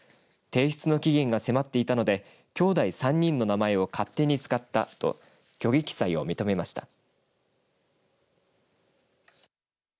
提出の期限が迫っていたのできょうだい３人の名前を勝手に使ったと虚偽記載を認めました。